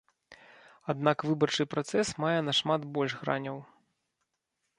Аднак выбарчы працэс мае нашмат больш граняў.